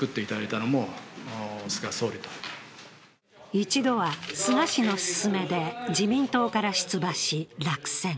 一度は菅氏の勧めで自民党から出馬し落選。